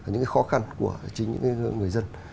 những cái khó khăn của chính những người dân